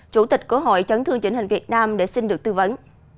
chủ tịch của hội chấn thương chỉnh hình việt nam để xin được tư vấn